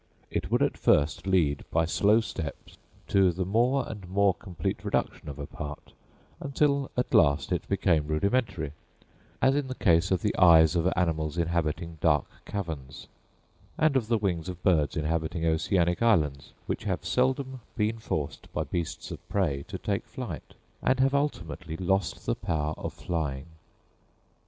It would at first lead by slow steps to the more and more complete reduction of a part, until at last it became rudimentary—as in the case of the eyes of animals inhabiting dark caverns, and of the wings of birds inhabiting oceanic islands, which have seldom been forced by beasts of prey to take flight, and have ultimately lost the power of flying.